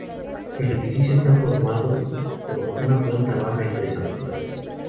El edificio está formado por una planta baja y tres alturas.